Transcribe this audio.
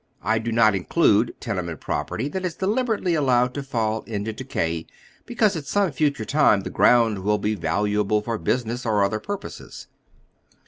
I do not include tenement property tliat is deliberately allowed to fall into decay because at some future time tlie ground will be valuable for business or other purposes.